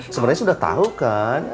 sebenarnya sudah tau kan